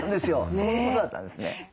そういうことだったんですね。